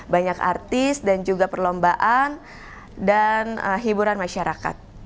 banyak artis dan juga perlombaan dan hiburan masyarakat